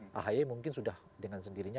pak haye mungkin sudah dengan sendirinya